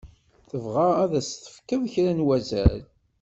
Tebɣa ad s-tefkeḍ kra n wazal.